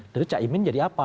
jadi cak imin jadi apa